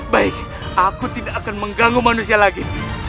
baik aku tidak akan mengganggu manusia lagi